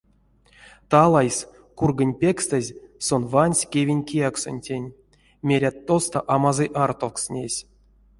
Талайс кургонь пекстазь сон вансь кевень кияксонтень, мерят, тосто амазый артовкст несь.